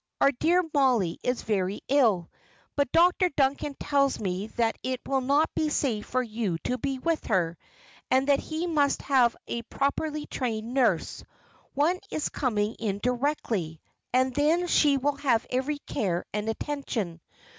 Our dear Mollie is very ill, but Dr. Duncan tells me that it will not be safe for you to be with her, and that he must have a properly trained nurse one is coming in directly and then she will have every care and attention.